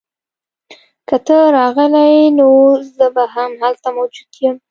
که ته راغلې نو زه به هم هلته موجود یم